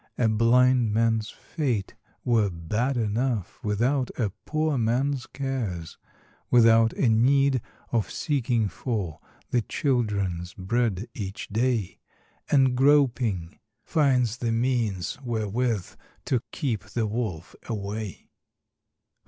A blind man's fate were bad enough Without a poor man's cares ; \V ithout a need of seeking for The children's bread each day, And groping, finds the means wherewith To keep the wolf away.